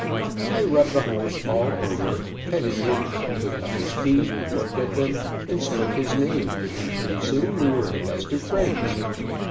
I rubbed the horse all over, petted him, took up his feet and looked at them, and spoke his name, and pretty soon we were the best of friends.